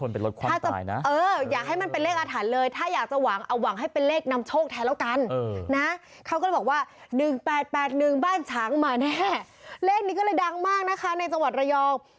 เลขนี้ก็เลยดังมากนะคะในจังหวัดระยอง